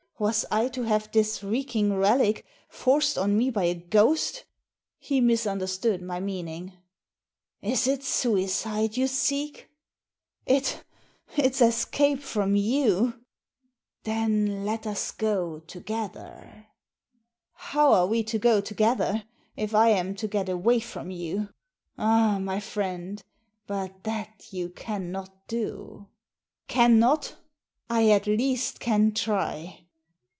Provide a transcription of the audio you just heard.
Was I to have this reeking relic forced on me by a ghost ! He misunderstood my meaning. Is it suicide you seek ?"" It — it's escape from you !"•* Then let us go together." How are we to go together, if I am to get away from you ?"" Ah, my friend, but that you cannot do." " Cannot ! I at least can try."